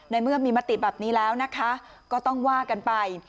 เมื่อมีมติแบบนี้แล้วนะคะก็ต้องว่ากันไป